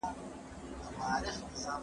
د نیکه وصیت مو خوښ دی که پر لاره به د پلار ځو